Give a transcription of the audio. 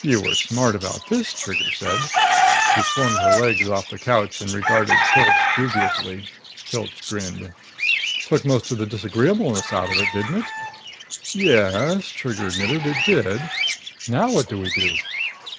"You were smart about this," Trigger said. She swung her legs off the couch and regarded Pilch dubiously. Pilch grinned. "Took most of the disagreeableness out of it, didn't it?" "Yes," Trigger admitted, "it did. Now what do we do?"